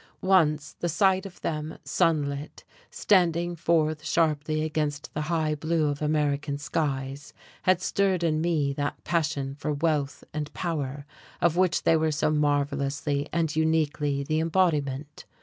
Once the sight of them, sunlit, standing forth sharply against the high blue of American skies, had stirred in me that passion for wealth and power of which they were so marvellously and uniquely the embodiment.